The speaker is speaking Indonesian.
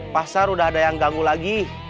pasar udah ada yang ganggu lagi